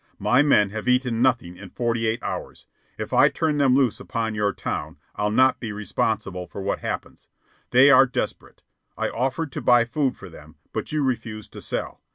My men have eaten nothing in forty eight hours. If I turn them loose upon your town, I'll not be responsible for what happens. They are desperate. I offered to buy food for them, but you refused to sell.